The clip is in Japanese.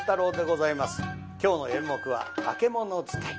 今日の演目は「化物使い」。